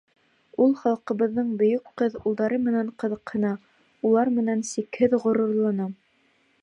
Ул халҡыбыҙҙың бөйөк ҡыҙ-улдары менән ҡыҙыҡһына, улар менән сикһеҙ ғорурлана.